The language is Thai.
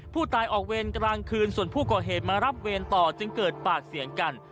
ออกเวรกลางคืนส่วนผู้ก่อเหตุมารับเวรต่อจึงเกิดปากเสียงกัน